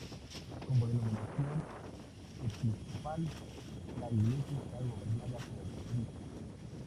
Como denominación Episcopal, la Iglesia está gobernada por obispos.